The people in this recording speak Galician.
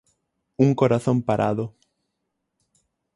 Un corazón parado.